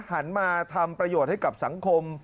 หันมาทำประโยชน์ให้กับสังคม